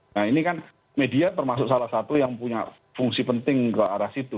nah ini kan media termasuk salah satu yang punya fungsi penting ke arah situ